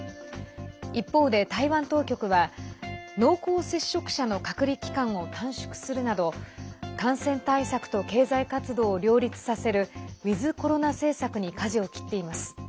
一方で、台湾当局は濃厚接触者の隔離期間を短縮するなど感染対策と経済活動を両立させるウィズコロナ政策にかじを切っています。